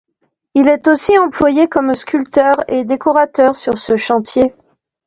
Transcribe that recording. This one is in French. Il est aussi employé comme sculpteur et décorateur sur ce chantier.